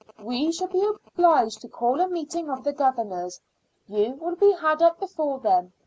"We shall be obliged to call a meeting of the governors. You will be had up before them.